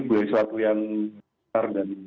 boleh sesuatu yang besar dan